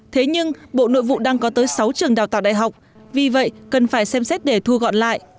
thế nhưng bộ nội vụ đang có tới sáu trường đào tạo đại học vì vậy cần phải xem xét để thu gọn lại